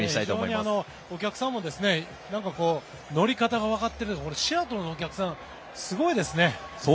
非常にお客さんも乗り方がわかっていてシアトルのお客さんすごいですね。